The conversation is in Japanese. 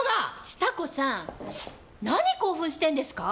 つた子さん何興奮してんですか？